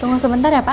tunggu sebentar ya pak